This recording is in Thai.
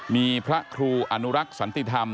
มีพระครูอนุรักษ์สันติธรรม